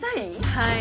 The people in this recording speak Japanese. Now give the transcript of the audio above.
はい。